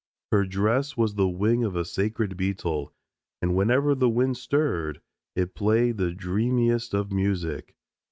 Her dress was the wing of the sacred beetle, and whenever the wind stirred it played the dreamiest of music.